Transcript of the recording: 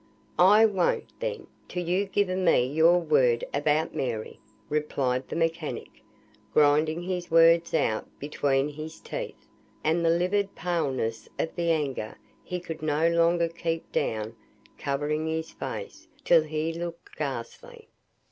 "I won't, then, till you've given me your word about Mary," replied the mechanic, grinding his words out between his teeth, and the livid paleness of the anger he could no longer keep down covering his face till he looked ghastly.